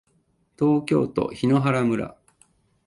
東京都檜原村